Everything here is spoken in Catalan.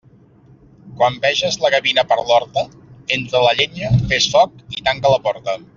Quan veges la gavina per l'horta, entra la llenya, fes foc i tanca la porta.